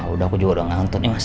udah aku juga udah ngantut nih mas